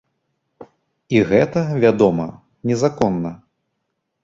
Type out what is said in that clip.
І гэта, вядома, незаконна.